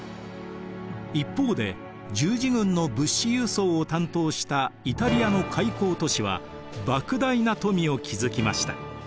一方で十字軍の物資輸送を担当したイタリアの海港都市はばく大な富を築きました。